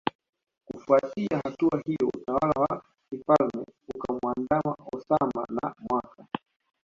Kufuatia hatua hiyo utawala wa kifalme ukamuandama Osama na mwaka